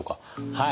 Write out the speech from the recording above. はい。